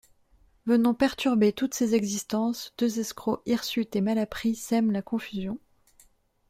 Venant perturber toutes ces existences, deux escrocs hirsutes et malappris sèment la confusion.